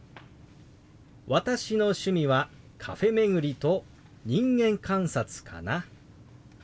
「私の趣味はカフェ巡りと人間観察かな」。